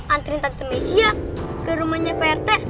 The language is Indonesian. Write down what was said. anterin tante messi ya ke rumahnya pak rt